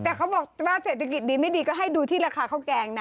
แต่เขาบอกถ้าเศรษฐกิจดีไม่ดีก็ให้ดูที่ราคาข้าวแกงนะ